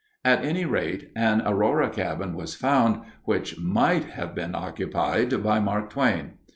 At any rate, an Aurora cabin was found which might have been occupied by Mark Twain.